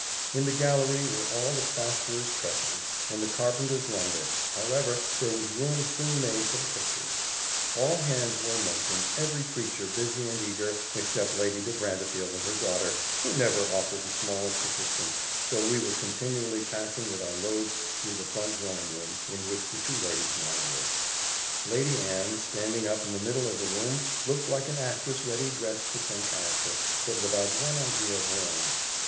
In the gallery were all the plasterers' trestles, and the carpenters' lumber; however, there was room soon made for the pictures: all hands were in motion, every creature busy and eager, except Lady de Brantefield and her daughter, who never offered the smallest assistance, though we were continually passing with our loads through the front drawing room, in which the two ladies now were. Lady Anne standing up in the middle of the room looked like an actress ready dressed for some character, but without one idea of her own.